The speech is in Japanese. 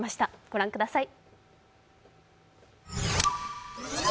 御覧ください。